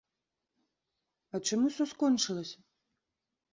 А чым усё скончылася?